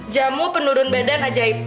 jamu penurun badan ajaib